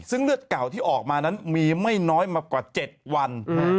ซึ่งเลือดเก่าที่ออกมานั้นมีไม่น้อยมากว่า๗วัน